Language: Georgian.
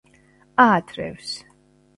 აათრევს